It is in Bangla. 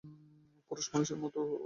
পুরুষ মানুষের নামের মতো শোনাচ্ছে।